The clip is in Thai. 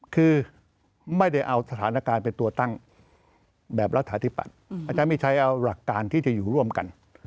คือไม่ได้เอาสถานการณ์เป็นตัวตั้งแบบรัฐาธิปัตย์อาจารย์มีชัยเอาหลักการที่จะอยู่ร่วมกัน